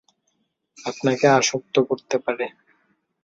আপনাকে আসক্ত করতে পারে।